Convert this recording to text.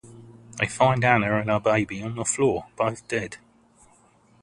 They find Anna and her baby on the floor, both dead.